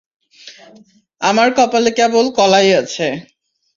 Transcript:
আমার কপালে কেবল কলাই আছে।